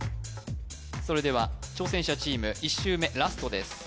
それでは挑戦者チーム１周目ラストです